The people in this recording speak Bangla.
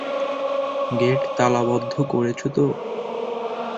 গেট তালাবদ্ধ করেছো তো?